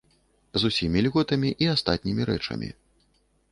З усімі льготамі і астатнімі рэчамі.